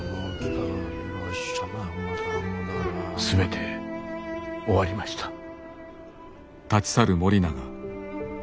全て終わりました。